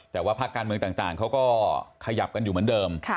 แต่ว่าภาคการเมืองต่างเขาก็ขยับกันอยู่เหมือนเดิม